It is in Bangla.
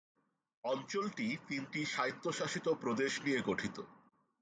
অঞ্চলটি তিনটি স্বায়ত্বশাসিত প্রদেশ নিয়ে গঠিত।